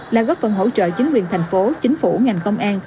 là góp phần hỗ trợ chính quyền thành phố chính phủ ngành công an